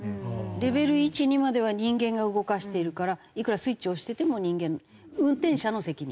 レベル１２までは人間が動かしているからいくらスイッチ押してても人間運転者の責任。